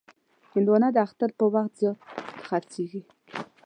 هندوانه د اختر پر وخت زیات خرڅېږي.